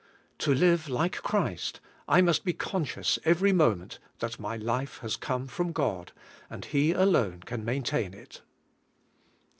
To live like Christ, I must be con scious ever}^ moment that my life has come from God, and He alone can maintain it.